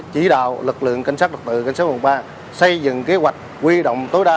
chỉ đạo lực lượng cảnh sát trật tự cảnh sát một trăm một mươi ba xây dựng kế hoạch quy động tối đa